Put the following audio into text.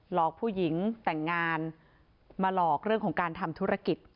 หลอกผู้หญิงแต่งงานมาหลอกเรื่องของการทำธุรกิจ